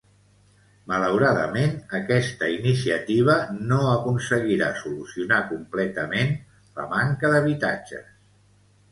Malauradament, aquesta iniciativa no aconseguirà solucionar completament la manca d'habitatges.